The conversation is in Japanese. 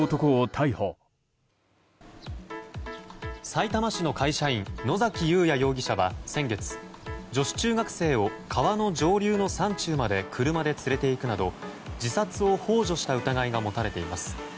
さいたま市の会社員野崎祐也容疑者は先月、女子中学生を川の上流の山中まで車で連れていくなど自殺をほう助した疑いが持たれています。